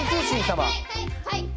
はい。